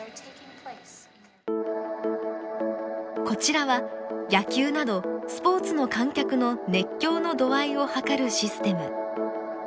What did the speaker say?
こちらは野球などスポーツの観客の熱狂の度合いを測るシステム。